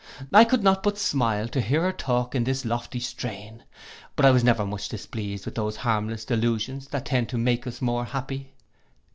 I could not but smile to hear her talk in this lofty strain: but I was never much displeased with those harmless delusions that tend to make us more happy.